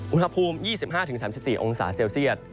บุหรภูมิ๒๕๓๔องศาเซียส